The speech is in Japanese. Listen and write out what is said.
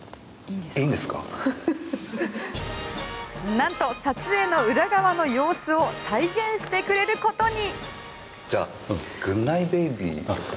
なんと撮影の裏側の様子を再現してくれることに。